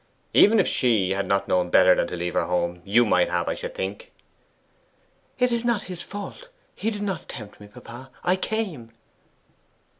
Even if she had not known better than to leave her home, you might have, I should think.' 'It is not his fault: he did not tempt me, papa! I came.